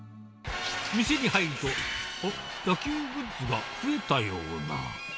店に入ると、おっ、野球グッズが増えたような。